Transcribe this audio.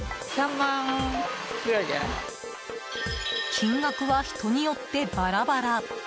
金額は人によってバラバラ。